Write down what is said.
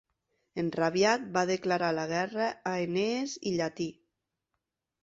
Enrabiat, va declarar la guerra a Enees i Llatí.